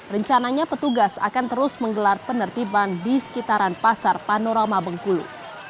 rencananya petugas akan terus menggelar penertiban di sekitaran pasar panorama bengkulu